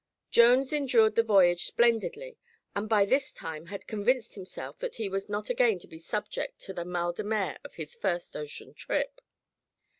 Jones endured the voyage splendidly and by this time had convinced himself that he was not again to be subject to the mal de mer of his first ocean trip.